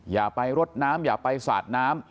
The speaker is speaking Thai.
อย่าไปรดน้ำอย่าไปสาดน้ำ